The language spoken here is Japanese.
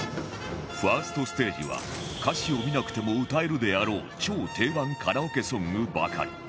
１ｓｔ ステージは歌詞を見なくても歌えるであろう超定番カラオケソングばかり